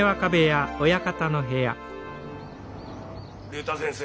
竜太先生